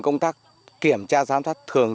công tác kiểm tra giám sát thường